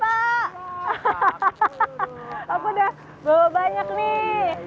hahaha aku udah bawa banyak nih